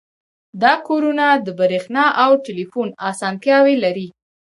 دا کورونه د بریښنا او ټیلیفون اسانتیاوې لري